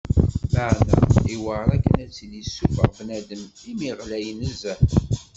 Meεna iwεer akken ad t-id-yessufeɣ bnadem imi ɣlay nezzeh.